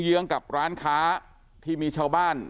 เยื้องกับร้านค้าที่มีชาวบ้าน